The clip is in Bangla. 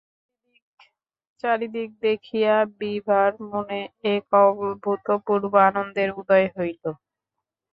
চারিদিক দেখিয়া বিভার মনে এক অভূতপূর্ব আনন্দের উদয় হইল।